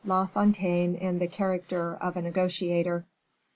La Fontaine in the Character of a Negotiator.